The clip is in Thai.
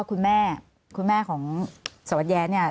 คุณแม่คุณแม่ของสวทแยะแหน่ะ